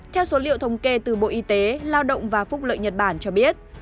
theo số liệu thống kê từ bộ y tế lao động và phúc lợi nhật bản cho biết